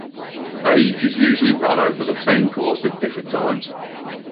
A heat is usually run over the same course at different times.